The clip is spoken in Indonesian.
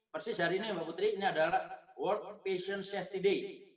persis hari ini mbak putri ini adalah world passion safety day